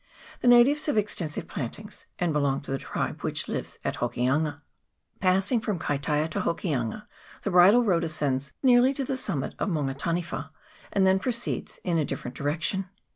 The natives have exten sive plantations, and belong to the tribe which lives at Hokianga. 240 MANGUMUKA RIVER. [PART II. Passing from Kaitaia to Hokianga, the bridle road ascends nearly to the summit of Maunga Ta niwa, and then proceeds in a different direction.